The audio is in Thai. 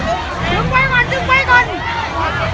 ก็ไม่มีเวลาให้กลับมาเท่าไหร่